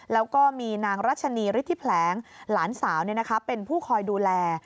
แล้วก็มีนางรัชนีฤทธิแผลงหลานสาวเป็นผู้คอยดูแล